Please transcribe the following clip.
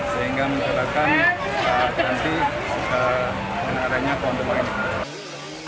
sehingga menyebabkan nanti menariknya pohon tumbang ini